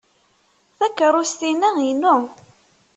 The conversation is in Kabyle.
Takeṛṛust-inna inu.